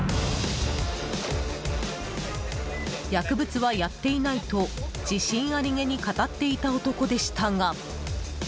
薬物はやっていないと自信ありげに語っていた男でしたが。